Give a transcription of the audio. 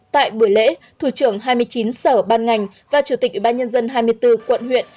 tại buổi lễ thủ trưởng hai mươi chín sở ban ngành và chủ tịch ủy ban nhân dân hai mươi bốn quận huyện